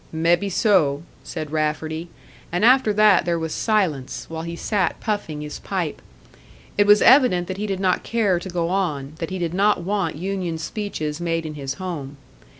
"Mebbe so," said Rafferty; and after that there was silence, while he sat puffing his pipe. It was evident that he did not care to go on, that he did not want union speeches made in his home.